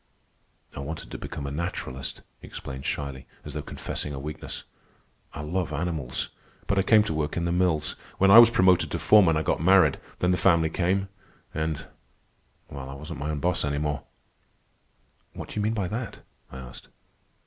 "I wanted to become a naturalist," he explained shyly, as though confessing a weakness. "I love animals. But I came to work in the mills. When I was promoted to foreman I got married, then the family came, and ... well, I wasn't my own boss any more." "What do you mean by that?" I asked.